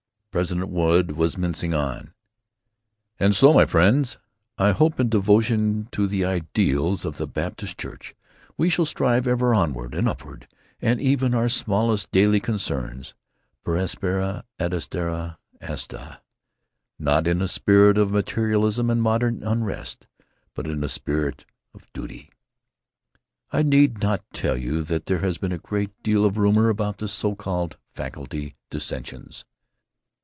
President Wood was mincing on: "——and so, my friends, I hope that in devotion to the ideals of the Baptist Church we shall strive ever onward and upward in even our smallest daily concerns, per aspera ad astra, not in a spirit of materialism and modern unrest, but in a spirit of duty. "I need not tell you that there has been a great deal of rumor about the so called 'faculty dissensions.'